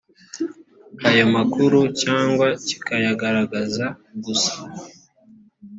ayo makuru cyangwa kikayagaragaza gusa